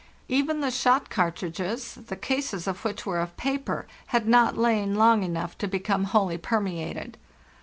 Even the shot cartridges, the cases of which were of paper, had not lain long enough to become wholly permeated.